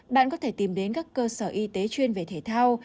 bạn có thể tìm đến các cơ sở y tế chuyên về thể thao